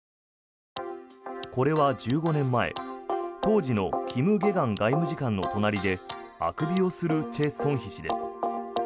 これは１５年前、当時のキム・ゲグァン外務次官の隣であくびをするチェ・ソンヒ氏です。